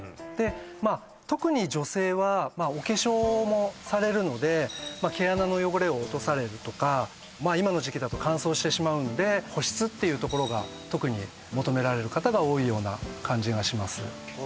まあ特に女性はお化粧もされるので毛穴の汚れを落とされるとかまあ今の時期だと乾燥してしまうんで保湿っていうところが特に求められる方が多いような感じがします